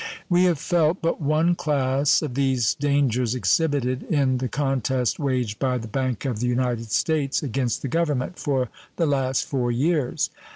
We have felt but one class of these dangers exhibited in the contest waged by the Bank of the United States against the Government for the last four years.